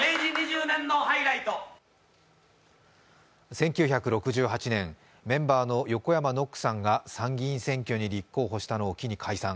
１９６８年、メンバーの横山ノックさんが参議院選挙に立候補したのを機に解散。